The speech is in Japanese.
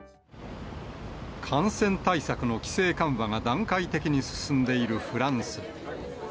感染対策の規制緩和が段階的に進んでいるフランス。